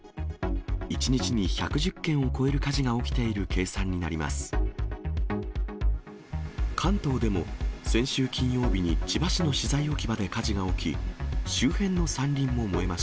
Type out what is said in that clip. １日に１１０件を超える火事が起きている計算になります。